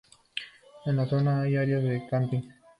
En la zona hay áreas de camping.